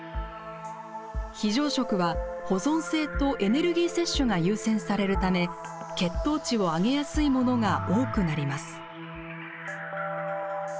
非常食は、保存性とエネルギー摂取が優先されるため血糖値を上げやすいものが多くなります。